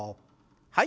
はい。